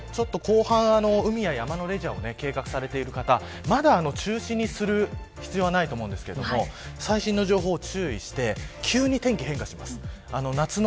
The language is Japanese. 後半、海や山のレジャーを計画されている方はまだ、中止にする必要はないと思うんですけれども最新の情報に注意して急に天気、変化します。